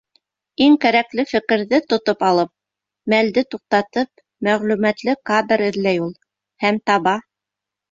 Иң кәрәкле фекерҙе тотоп алып, мәлде туҡтатып, мәғлүмәтле кадр эҙләй ул. Һәм таба!